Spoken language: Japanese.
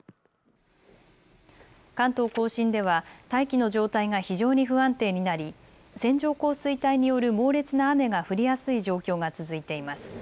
関東甲信では大気の状態が非常に不安定になり線状降水帯による猛烈な雨が降りやすい状況が続いています。